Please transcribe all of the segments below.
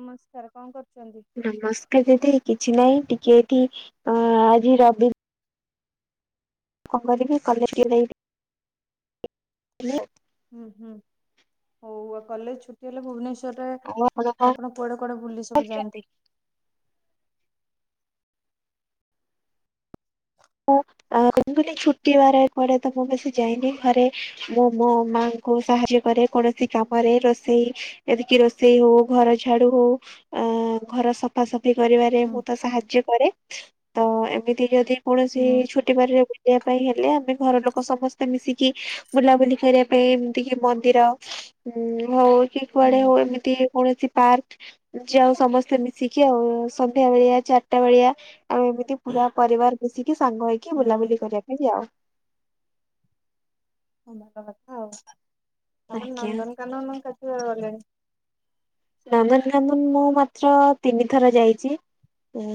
ନମସ୍କାର। କଣ କରୁଛନ୍ତି? ନମସ୍କାର ଦିଦି। କିଛି ନାହିଁ ଟିକେ ଏଠି ଅ ଆଜି ରବି କଣ କରିବି କଲେଜ ଟିକେ [unintelligible] ହୁଁ ହୁଁ। ହଉ ଆଉ କଲେଜ ଛୁଟି ହେଲେ ଭୁବନେଶ୍ [unintelligible] ଆଉ କଣ ଆପଣ କୁଆଡେ କୁଆଡେ ବୁଲି ସବୁ ଯାଆନ୍ତି? ମୁଁ [unintelligible] ଛୁଟିବାର ପଡେ ତ ମୁଁ ବେଶୀ ଯାଏନି ଘରେ ମୁଁ ମୋ ମାଆଙ୍କୁ ସାହାଯ୍ୟ କରେ, କୌଣସି କାମରେ ରୋଷେଇ ଏଣିକି ରୋଷେଇ ହଉ, ଘର ଝାଡୁ ହଉ ଅ ଘର ସ ଫାସଫି କରିବାରେ ହୁଁ ମୁଁ ତ ସାହାଯ୍ୟ କରେ। ତ ଏମିତି ଯଦି କୌଣସି ହୁଁ ଛୋ ଟି ବାରରେ ବୁଲିବା ପାଇଁ ହେଲେ ଆମେ ଘର ଲୋକ ସମସ୍ତେ ମିଶିକି ବୁଲାବୁଲି କରିବା ଏ ଏମିତି କି ମନ୍ଦିର ଉଁ ହଉ କି କୁଆଡେ ହୁଁ ହଉ ଏମିତି କୌଣସି ପାର୍କ ଯାଉ ସମସ୍ତେ ମିଶିକି ଆଉ। ସନ୍ଧ୍ୟା ବେଳିଆ ଚାରିଟା ବେଳିଆ ଆମେ ଏମିତି ପୁରା ପରିବାର ମିଶିକି ସାଙ୍ଗ ହେଇକି ହୁଁ ବୁଲାବୁଲି କରିବା ପାଇଁ ଯାଉ। ହଁ ଭଲ କଥା ଆଉ ଆପଣ ଆଜ୍ଞା ନନ୍ଦନକାନନ କେତେ ଥର ଗଲେଣି? ନନ୍ଦନକାନନ ମୁଁ ମାତ୍ର ତିନିଥର ଯାଇଚି। ଉଁ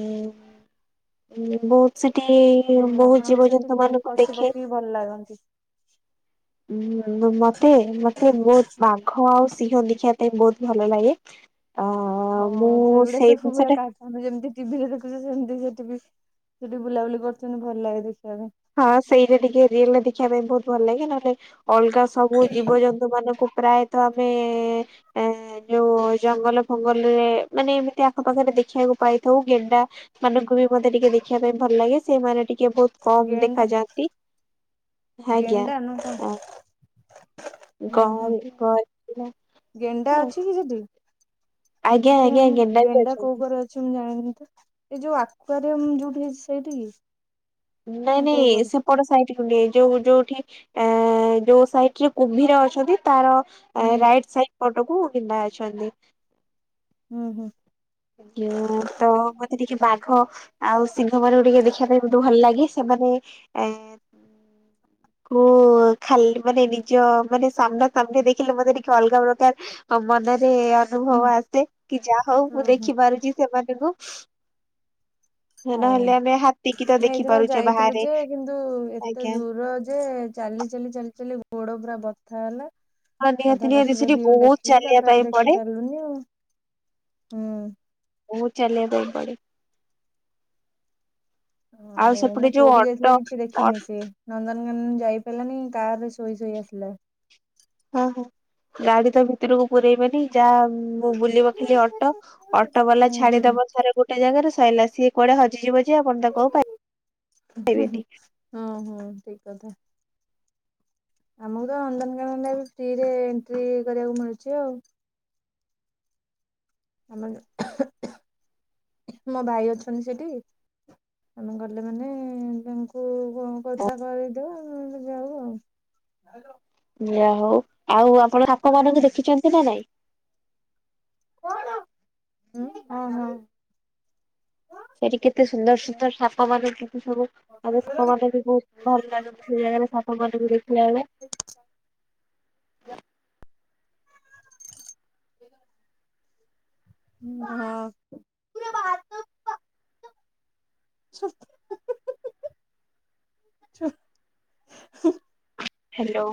ବହୁତ୍ ସେଠି ହୁଁ, ବହୁତ ଆପଣଙ୍କୁ ସେଠି ଜୀବଜନ୍ତୁ କୋଉ ମାନଙ୍କୁ ପଶୁ ଦେଖେ। ପକ୍ଷୀ ଭଲ ଲାଗନ୍ତି? ଉଁ ମ ମ ମତେ ମତେ ବହୁତ ବାଘ ଆଉ ସିଂହ ଦେଖିବା ପାଇଁ ବହୁତ୍ ଭଲ ଲାଗେ। ଅ ମୁଁ ହଁ ସେଇଗୁଡା ସେଇ ସବୁ ପୁରା ଜିନିଷଟା ଏକା। ଆମେ ଯେମିତି ଟିଭି ରେ ଦେଖୁଛୁ ସେମିତି ସେଠି ବି ସେଠି ବୁଲାବୁଲି କରୁଛନ୍ତି। ଭଲ ଲାଗେ ଦେଖିବା ପାଇଁ ହଁ ସେଇଟା ଟିକେ ରିଅଲରେ ଦେଖିବା ପାଇଁ ବହୁତ ଭଲ ଲାଗେ ନହଲେ ଅଲଗା ସବୁ ଜୀବଜନ୍ତୁ ମାନଙ୍କୁ ପ୍ରାୟତଃ ଆମେ ଏଁ ଯୋଉ ଜଙ୍ଗଲ ଫଙ୍ଗଲରେ ମାନେ ଏମିତି ଆଖପାଖରେ ଦେଖିବାକୁ ପାଇଥାଉ ଗେଣ୍ଡା ସେମାନଙ୍କୁ ବି ମତେ ଟିକେ ଦେଖିବା ପାଇଁ ଭଲ ଲାଗେ। ସେମାନେ ଟିକେ ବହୁତ କମ୍ ଗେଣ୍ଡା ଦେଖାଯାଆନ୍ତି ଆଜ୍ଞା ଗେଣ୍ଡା ନା କଣ? ହଁ। ହୁଁ ହୁଁ କହମ୍ [inaudible] ଗେଣ୍ଡା ଅଛି କି ସେଠି? ଆଜ୍ଞା ଆଜ୍ଞା [inaudible] ବି ଗେଣ୍ଡା ଅଛନ୍ତି। କୋଉ କରେ ଅଛି। ମୁଁ ଜାଣିନି ତ ଏଇ ଯୋଉ ଆକ୍ୱରୀୟମ୍ ଯୋଉଠି ହେଇଛି ସେଇଠି କି? ନାଇଁ ନା ନାଇଁ କୋଉ ସେ କରେ? ସେକଡ଼ ସାଇଟୁ ନୁହେଁ। ଯୋଉ ଯୋଉଠି ଏ ଯୋଉ ସାଇଟରେ କୁମ୍ଭୀର ଅଛନ୍ତି ତାର ହୁଁ ତାର ରାଇଟ୍ ସାଇଡ ପଟକୁ ପିନ୍ଧା ଅଛନ୍ତି। ହୁଁ ହୁଁ। ଆଁ ତ ମତେ ଟିକେ ବାଘ ଆଉ ସିଂହ ମାନଙ୍କୁ ଟିକେ ଦେଖିବା ପାଇଁ ବହୁତ ଭଲ ଲାଗେ। ସେମାନେ ଏ ମୁଁ ଖାଲି ମାନେ ନିଜ ମାନେ ସାମ୍ନସାମ୍ନି ଦେଖିଲେ ମତେ ଟିକେ ଅଲଗା ପ୍ରକାର ଆଉ ମନରେ ହୁଁ ଅନୁଭବ ଆସେ କି ଯାହା ହଉ ହୁଁ ମୁଁ ହୁଁ ଦେଖି ପାରୁଛି ସେମାନଙ୍କୁ। [unintelligible] ହଁ ନହେଲେ ଆମେ ହାତୀ କିି ତ ମୁଁ ଦେଖି ଏଇଦିନ ପାରୁଛେ ଯାଇଥିଲୁ ବାହାରେ ଯେ କିନ୍ତୁ ଏତେ ଆଜ୍ଞା। ଦୂର ଯେ ଚାଲି ଚାଲି ଚାଲି ଚାଲି ଗୋଡ ପୁରା ବଥା ହେଲା। ହଁ ନିହାତି ଅଧା ନିହାତି ସେଠି ପଶୁପକ୍ଷୀ ବହୁତ ଦେଖିଲୁ। ଚାଲିବା ତାପରେ ପାଇଁ ଆଉ ଦେଖି ପଡେ ପାରିଲୁନି ଆଉ। ହୁଁ। ବହୁତ୍ ଚାଲିବା ପାଇଁ ପଡିବ। ଆଉ ସେପଟେ ମୋ ପୁଅ ଯୋଉ ବି ଯାଇଥିଲା ଅଟୋ କିଛି ଦେଖିନି ଅଟୋ ସିଏ। ନନ୍ଦନକାନନ ଯାଇ ପାରିଲାନି କାରରେ ଶୋଇ ଶୋଇ ଆସିଲା। ହଁ ହଁ ଗାଡି ତ ଭିତରକୁ ପୁରାଇବେନି ଯାହା ମୁଁ ବୁଲିବ ଖାଲି ଅଟୋ ଅଟୋ ବାଲା ହୁଁ ହୁଁ। ଛାଡିଦବ ସାର ଗୋଟ ଗୋଟେ ଜାଗାରେ ସରିଲା ସିଏ କଆଡେ ହଜିଯିବ। ଯେ ଆପଣ ତାକୁ ଆଉ ପାଇବେନି। ହଁ ହଁ ଠିକ୍ କଥା। ଆମକୁ ତ ନନ୍ଦନକାନନରେ ବି ଫ୍ରିରେ ଏଣ୍ଟ୍ରି କରିବାକୁ ମିଳୁଛି ଆଉ। ଆମନ ମୋ ଭାଇ ଅଛନ୍ତି, ସେଇଠି ଆମେ ଗଲେ ମାନେ ତାଙ୍କୁ କଣ କଥା କରେଇଦଉ ଯାଉ ଆଉ। ଯାହଉ ଆଉ ଆପଣ ସାପ ମାନଙ୍କୁ ଦେଖିଛନ୍ତି ନା ନାଇଁ? କଣ ହଁ ହଁ। ସେଠି କେତେ ସୁନ୍ଦର ସୁନ୍ଦର ସାପ ମାନେ କେତେ ସବୁ ଆମେ ସାପ ମାନେ ବି ବହୁତ ଭଲ ଲାଗନ୍ତି, ସେଇ ଜାଗାରେ ସାପ ମାନକୁ ଦେଖିଲା ବେଳେ। [unintelligible] ହୁଁ ହଁ। [unintelligible] ହ୍ୟାଲୋ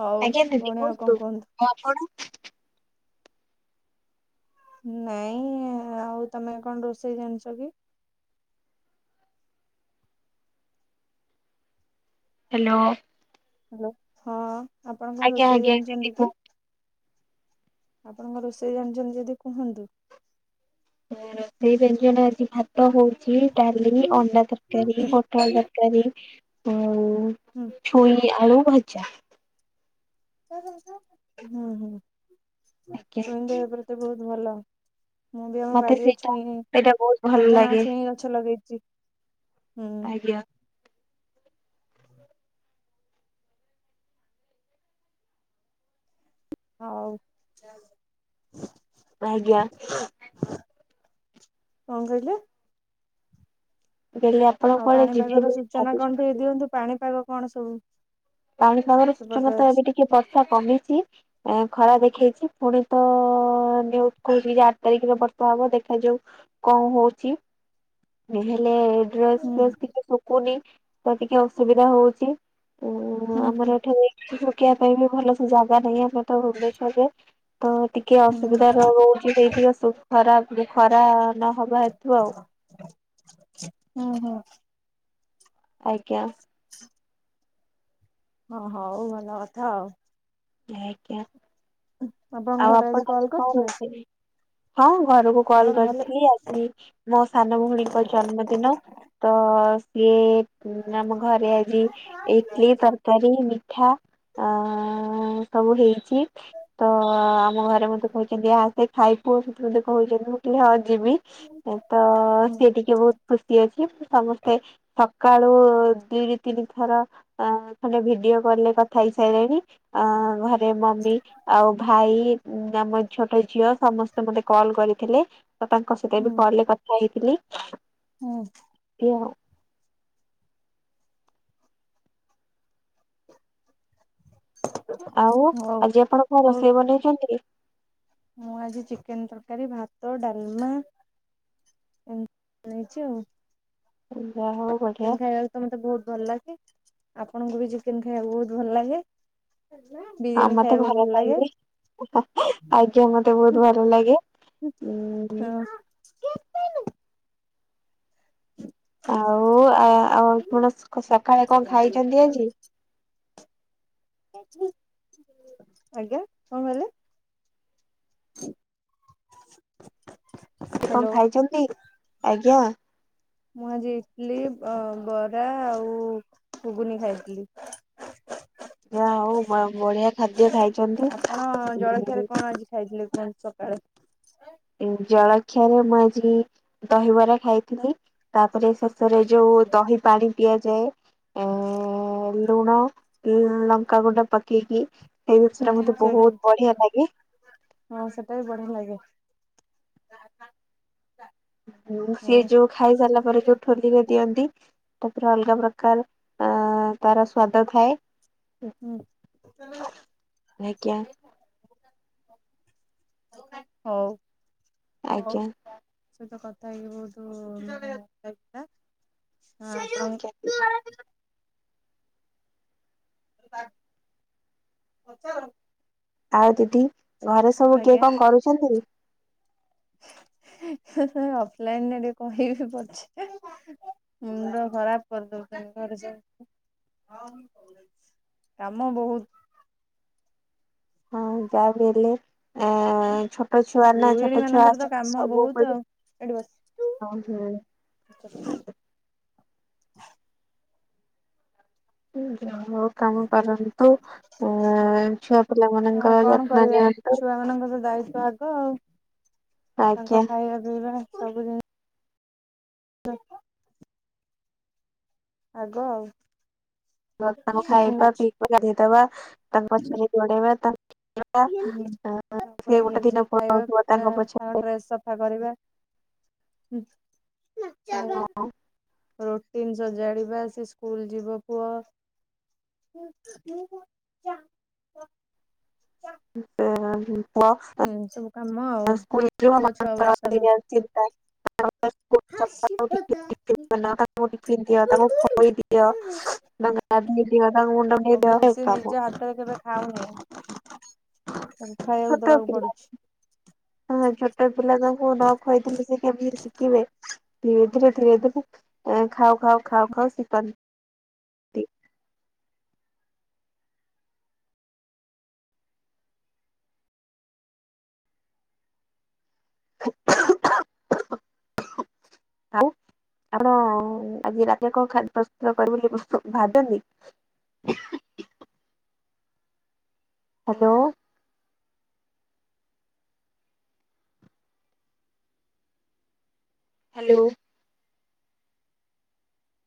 ହଉ ଭଉଣି ଆଉ କଣ କୁହନ୍ତୁ? ଆଉ ଆପଣ। ନାଇଁ ଆଉ ତମେ କଣ ରୋଷେଇ ଜାଣିଛ ଯେ? ହ୍ୟାଲୋ। ହ୍ୟାଲୋ ହଁ ଆପଣ କଣ ଆଜ୍ଞା ରୋଷେଇ ଆଜ୍ଞା ଦିଦି ଜାଣିଛନ୍ତି କୁହନ୍ତୁ। କି? ଆପଣଙ୍କ ରୋଷେଇ ଜାଣିଛନ୍ତି ଯଦି କୁହନ୍ତୁ? ରୋଷେଇ ବ୍ୟଞ୍ଜନ ଆଜି ଭାତ ହଉଛି। ଡାଲି ଅଣ୍ଡା ତରକାରୀ ପଟଳ ତରକାରୀ ଆଉ ହୁଁ। ଛୁଇଁ ଆଳୁ ଭଜା। ହୁଁ ହୁଁ ଆଜ୍ଞା ଛୁଇ ଦେହ ପ୍ରତି ବହୁତ ଭଲ। ମୁଁ ବି ଆମ ମତେ ବାଡିରେ ସେଇଟା ଛୁଇଁ ସେଇଟା ବହୁତ ଭଲ ସଜନା ଲାଗେ ଛୁଇଁ ଗଛ ଲଗେଇଛି। ହୁଁ। ଆଜ୍ଞା ହଉ। ଆଜ୍ଞା। କଣ କହିଲେ? କହିଲି ଆପ ଆଉ ପାଣିପାଗ ର ସୂଚନା କଣ ଟିକେ ଦିଅନ୍ତୁ ପାଣିପାଗ କଣ ସବୁ? ପାଣିପାଗର ସେପଟେ ସୂଚନତା ଅଛି? ଏବେ ଟିକେ ବର୍ଷା କମିଛି। ଏ ଖରା ଦେଖେଇଛି ପୁଣି ତ ନିଉଜ କହୁଚି ଯେ ଆଠ ତାରିଖରେ ବର୍ଷା ହବ ଦେଖାଯାଉ କଣ ହଉଚି। ହେଲେ ଡ୍ରେସ୍ ହୁଁ ଫେସେ କିଛି ଶୁଖୁନି ତ ଟିକେ ଅସୁବିଧା ହଉଛି। ଓ ହୁଁ ହୁଁ ଆମର ଏଠି ନେଇକି ଶୋକିବା ପାଇଁ ବି ଭଲ ସେ ଜାଗା ନାହିଁ ଆମର ତ ଭୁବନେଶ୍ୱର ରେ। ତ ଟିକେ ହୁଁ ଅସୁବିଧା ରହୁଛି ସେଇଥି ଖରାପ ଖରା ନହବା ହେତୁ ଆଉ। ଓ ହୋ। ଆଜ୍ଞା। ହ ହଁ ହୋଉ ଭଲ କଥା ଆଉ। ଆଜ୍ଞା ଆପଣଙ୍କ ଆଉ ଘରେ ଆପଣ କଲ୍ ଆଜି କଣ କରିଥିଲେ ରୋଷେଇ? ହଁ ଘରକୁ କଲ୍ ଆପଣଙ୍କ ଘରେ କରିଥିଲି ଆଜି। ମୋ ସାନ ଭଉଣୀଙ୍କ ଜନ୍ମଦିନ ତ ସିଏ ଉଁ ଆମ ଘରେ ଆଜି ଇଟିଲି ତରକାରୀ ମିଠା ଅ ଅ ସବୁ ହେଇଛି ତ ଆମ ଘରେ ମତେ କହୁଛନ୍ତି ଆ ସେ ଖାଇ ପୁଅ ସେଠି ମେ କହୁଛନ୍ତି। ହଁ ଯିବି ତ ହୁଁ ସିଏ ଟିକେ ବହୁତ ଖୁସି ଅଛି ମୁ ସମସ୍ତେ ସ ସକାାଳୁ ଦୁଇରୁ ତିନି ଥର ଖଣ୍ଡେ ଭିଡିଓ କଲ୍ ରେ କଥା ହେଇସାରିଲେଣି। ଅ ଘରେ ମମି ଆଉ ଭାଇ ଉଁ ଆମ ଛୋଟ ଝିଅ ସମସ୍ତେ ମତେ କଲ୍ କରିଥିଲେ ତ ତାଙ୍କ ସହିତ ହୁଁ ବି କଲରେ କହିଥିଲି। ହୁଁ। ଏହା ଆଉ ହଉ ଆଜି ଆପଣ କଣ ହଉ ରୋଷେଇ ବନେଇଚନ୍ତି କି? ମୁଁ ଆଜି ଚିକେନେ ତରକାରୀ ଭାତ ଡାଲମା ଏମିତିଣେଇଛିୁ ଆଉ [unintelligible] ଯା ହଉ ବଢିଆ। ଚିକେନ ଖାଇବାକୁ ତ ମତେ ବହୁତୁ ଭଲ ଲାଗେ ଆପଣଙ୍କୁ ବି ଚିକେନ ଖାଇବାକୁ ବହୁତୁ ଭଲ ଲାଗେ। ଆଉ ବିରିୟାନୀ ମତେ ଖାଇବାକୁ ଭଲ ଲାଗେ। ଲାଗିଲେ ଆଜ୍ଞା ମତେ ବହୁତୁ ଭଲ ଲାଗେ ଉଁ। ହଁ ଆଉ ଆଉ ଆପଣ ସକାଳେ କଣ ଖାଇଚନ୍ତି ଆଜି? [unintelligible] ଆଜ୍ଞା କଣ କହିଲେ? ସେ କଣ ହ୍ୟାଲୋ ଖାଇଛନ୍ତି? ଆଜ୍ଞା। ମୁଁ ଆଜି ଇଟଲିି ବରା ଆଉ ଘୁଗୁନି ଖାଇଥିଲି। ଯାହା ହଉ ବଢିଆ ଖାଦ୍ୟ ଖାଇଛନ୍ତି। ଆପଣ ଜଳଖିଆରେ କଣ ଆଜି ଖାଇଥିଲେ କଣ ସକାଳୁ? ଜଳଖିଆରେ ମୁଁ ଆଜି ଦହିବରା ଖାଇଥିଲି। ତାପରେ ଶେଷରେ ଯୋଉ ଦହି ପାଣି ପିଆଯାଏ ଏ ଏ ଏ ଲୁଣ ଲଙ୍କାଗୁଣ୍ଡ ପକେଇକି। ସେଇ ଅ ଜିନିଷଟା ହଁ ମତେ ସେଇଟା ବହୁତ ବଢିଆ ଲାଗେ। ହେଇଛି। ହଁ ସେଟା ବି ବଢିଆ ଲାଗେ। ହଁ ସିଏ ଯୋଉ ଖାଇ ସାରିଲା ପରେ ଯୋଉ ଠୋଲିରେ ଦିଅନ୍ତି। ତାପରେ ଅଲଗା ପ୍ରକାର ଆ ତାର ସ୍ଵାଦ ଥାଏ। ହୁଁ। ହଉ ଆଜ୍ଞା ହଉ। ତମ ସହିତ କଥା ଆଜ୍ଞା ହେଇକି ବହୁତୁ ଭଲ ଲାଗିଲା। ହଁ ଆଜ୍ଞା। ଆପଣଙ୍କ [unintelligible] ଆଉ ଦିଦି ଘରେ ସବୁ କିଏ ଆଜ୍ଞା କ କରୁଛନ୍ତି? ହେ ହେ ଅଫଲାଇନରେ ଟିକେ କହିବି ପଛେ। ମୁଣ୍ଡ ଖରାପ କରିଦଉଛନ୍ତି ଘରେ ସବୁ। କାମ ବହୁତୁ। ହଁ ଯାଇ ଥିଲି ଆ ଛୋ ତ ଛୁଆ ନା ଗୃହିଣୀ ଛୋଟ ଛୁଆ ମାନଙ୍କର ତ କାମ ଅଛନ୍ତି ସବୁ ବହୁତ [unintelligible] ଆଉ ଏଠି ବସ ହୁଁ ହୁଁ। [inaudible] ଯା ହଉ। କାମ ପାରନ୍ତୁ ଅ ହଁ ଛୁଆ ପିଲା ମାନଙ୍କର ଯତ୍ନ ନିଅନ୍ତୁ। ପିଲା ମାନଙ୍କର ତ ଦାୟିତ୍ୱ ଆଗ ଆଉ ଆଜ୍ଞା ତାଙ୍କ ଖାଇବା ପିଇବା ସବୁ ଜିନିଷ [unintelligible] ଆଗ ଆଉ। ତାଙ୍କୁ ଖାଇବା ପିଇବା ଗାଧେଇଦବା ତାଙ୍କ ପଛେ ପଛେ ଗୋଡ଼େଇବା ତାକ ହୁଁ। [unintelligible] ପୁଣି ଗୋଟେ ନିଜେ ଦିନ ଖାଇବା ପଳଉଥିବ ପିଇବା ତାଙ୍କ ପଛରେ ଡ୍ରେସ ସଫା କରିବା। ହୁଁ ମିକିଚର ଦଉନୁ। ରୁଟିନି ସଜାଡିବା ସେ ସ୍କୁଲ ଯିବ ପୁଅ। [unintelligible] ଚା। [unintelligible] [unintelligible] ବୁଟୁ ସଫା କାମ ଆଉ ପୁଅ ଛଅ ବର୍ଷର କରିଦିଅ ଟିଫିନ ବନାଅ ତାକୁ ଟିଫିନି ଦିଅ ତାକୁ ଖୋଇଦିଅ ତାକୁ ଗାଧେଇ ଦିଅ ତାକୁ ମୁଣ୍ଡ କୁଡେ଼ଇ ଦିଏ ସବୁ ହେ ସେ ନିଜ ପ୍ରଭୁ। ହାତରେ କେବେ ଖାଉନି ତାକୁ ଖାଇବାକୁ ଛୋଟ ଦବାକୁ ପିଲା ପଡୁଛି। ହଁ ଛୋଟ ପିଲା ତାଙ୍କୁ ନ ଖୁଆଇଥିଲି ସେ କେମିତି ଶିଖିବେ। ଧୀରେ ଧୀରେ ଖାଉ ଖାଉ ଖାଉ ଶିଖନ୍ତି। [inaudible] ଆଉ ଆପଣ ଆଜି ରାତି କଣ ଖାଦ୍ୟ ପ୍ରସ୍ତୁତ କରିବେ ବୋଲି ଭାଦନ୍ତି? ହ୍ୟାଲୋ। ହ୍ୟାଲୋ।